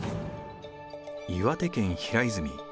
岩手県平泉。